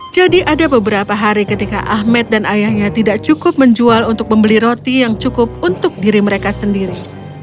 jadi ada beberapa hari ketika ahmed dan ayahnya tidak cukup menjual untuk membeli roti yang cukup untuk diri mereka sendiri